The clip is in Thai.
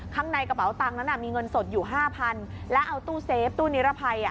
ข้างในกระเป๋าตังค์นั้นมีเงินสดอยู่ห้าพันแล้วเอาตู้เซฟตู้นิรภัย